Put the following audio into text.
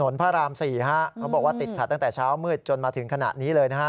พระราม๔ฮะเขาบอกว่าติดขัดตั้งแต่เช้ามืดจนมาถึงขณะนี้เลยนะฮะ